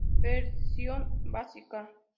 Versión básica.